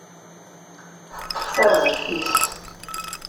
Teṭṭef tarzeft-is.